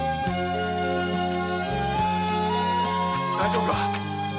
大丈夫か。